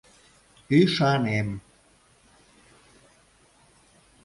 — Ӱшанем.